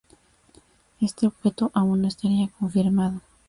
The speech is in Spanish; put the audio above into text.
Este objeto aún no estaría confirmado.